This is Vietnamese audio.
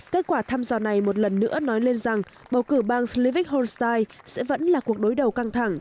kết quả thăm dò này một lần nữa nói lên rằng bầu cử bang slivic homestay sẽ vẫn là cuộc đối đầu căng thẳng